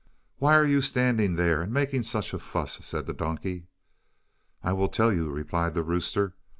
"Why are you standing there and making such a fuss?" said the donkey. "I will tell you," replied the rooster.